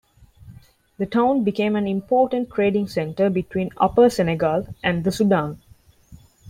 The town became an important trading center between Upper Senegal and the Sudan.